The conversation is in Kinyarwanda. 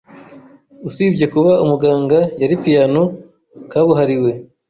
Usibye kuba umuganga, yari piyano kabuhariwe.